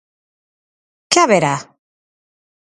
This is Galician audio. Que haberá?